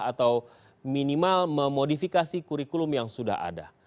atau minimal memodifikasi kurikulum yang sudah ada